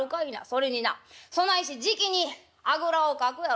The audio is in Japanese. それになそないしてじきにあぐらをかくやろ。